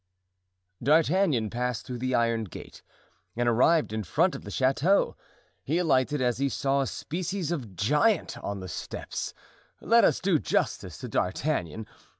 D'Artagnan passed through the iron gate and arrived in front of the chateau. He alighted as he saw a species of giant on the steps. Let us do justice to D'Artagnan.